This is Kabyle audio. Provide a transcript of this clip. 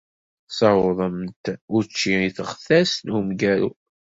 Ssawḍent učči i teɣtas n umgaru.